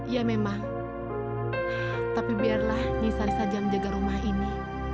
ya memang tapi biarlah nisa saja menjaga rumah ini